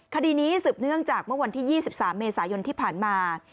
คดีนี้สืบเนื่องจากเมื่อวันที่๒๓เมษายนที่ผ่านมา